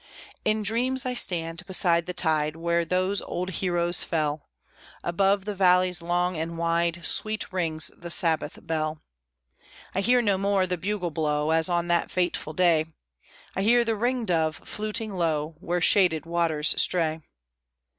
In dreams I stand beside the tide Where those old heroes fell: Above the valleys long and wide Sweet rings the Sabbath bell. I hear no more the bugle blow, As on that fateful day! I hear the ringdove fluting low, Where shaded waters stray.